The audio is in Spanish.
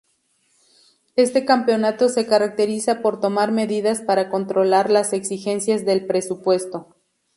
Este campeonato se caracteriza por tomar medidas para controlar las exigencias del presupuesto.